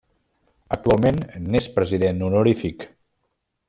Actualment n’és president honorífic.